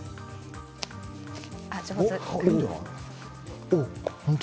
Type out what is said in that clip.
上手。